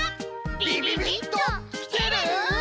ビビビッときてる？